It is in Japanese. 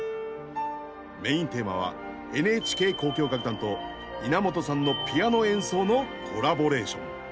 メインテーマはＮＨＫ交響楽団と稲本さんのピアノ演奏のコラボレーション。